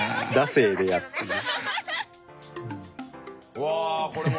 うわこれも。